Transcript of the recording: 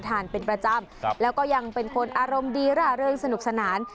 ทานเป็นประจำแล้วก็ยังเป็นคนอารมณ์ดีร่าเริงสนุกสนาน